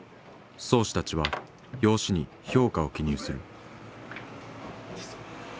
漕手たちは用紙に評価を記入する。